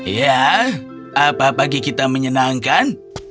ya apa pagi kita menyenangkan